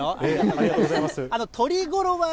ありがとうございます。